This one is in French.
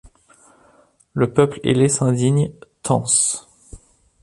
Le peuple ailé s’indigne, tance